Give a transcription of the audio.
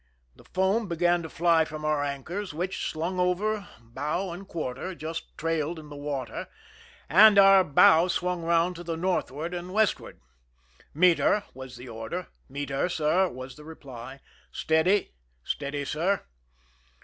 The foam began to fly from our anchors, which, slung over bow and quarter, just trailed in the water, and our bow swung round to the northward and westward. " Meet her !" was the order. " Meet her, sir," was the reply. " Steady !"" Steady, sir."